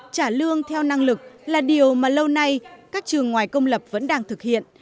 trả lương theo năng lực là điều mà lâu nay các trường ngoài công lập vẫn đang thực hiện